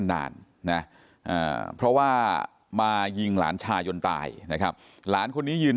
นานนะเพราะว่ามายิงหลานชายนตายนะครับหลานคนนี้ยืน